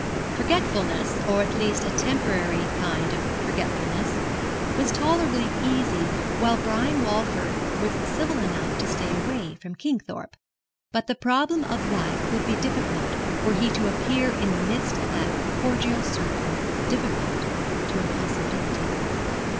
Forgetfulness or at least a temporary kind of forgetfulness was tolerably easy while Brian Walford was civil enough to stay away from Kingthorpe; but the problem of life would be difficult were he to appear in the midst of that cordial circle difficult to impossibility.